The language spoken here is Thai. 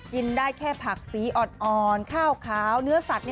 กินได้แค่ผักสีอ่อนข้าวขาวเนื้อสัตว์